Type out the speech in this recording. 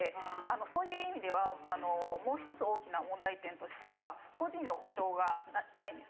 そういう意味ではもう１つ大きな問題点としては個人の補償がないんですね。